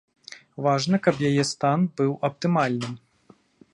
Важна, каб яе стан быў аптымальным.